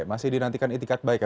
masih dinantikan itikat baik ya